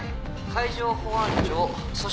海上保安庁組織対策